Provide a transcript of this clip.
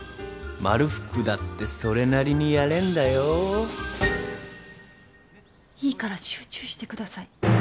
まるふくだってそれなりにやいいから集中してください。